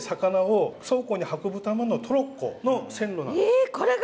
えこれが！？